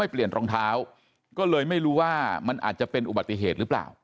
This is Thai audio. เปลี่ยนรองเท้าก็เลยไม่รู้ว่ามันอาจจะเป็นอุบัติเหตุหรือเปล่า